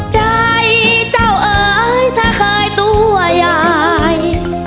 ใจเจ้าเอ๋ยถ้าเคยตัวยาย